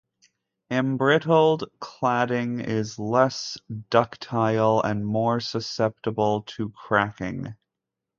Embrittled cladding is less ductile and more susceptible to cracking.